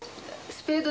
スペード？